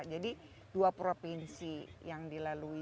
jadi dua provinsi yang dilalui